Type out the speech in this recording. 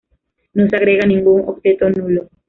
No se agrega ningún octeto nulo.